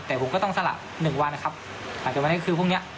แต่ผมก็ต้องสลับหนึ่งวันนะครับแต่วันที่คือพรุ่งนี้